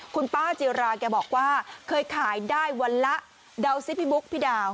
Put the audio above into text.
คุณป้าจิราแกบอกว่าเคยขายได้วันละเดาสิพี่บุ๊คพี่ดาว